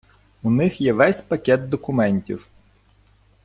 У них є весь пакет документів.